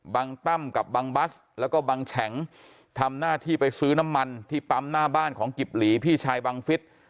ตั้มกับบังบัสแล้วก็บังแฉงทำหน้าที่ไปซื้อน้ำมันที่ปั๊มหน้าบ้านของกิบหลีพี่ชายบังฟิศ